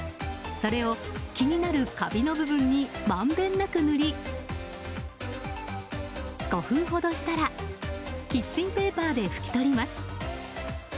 それを気になるカビの部分にまんべんなく塗り５分ほどしたらキッチンペーパーで拭き取ります。